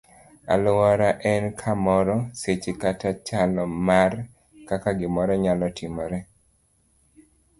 Aluora en kamoro, seche kata chalo mar kaka gimoro nyalo timore.